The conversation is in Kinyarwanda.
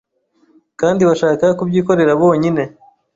Kandi bashaka kubyikorera bonyine